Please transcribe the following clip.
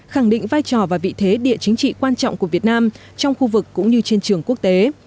khẳng định vai trò và vị thế địa chính trị quan trọng của việt nam trong khu vực cũng như trên trường quốc tế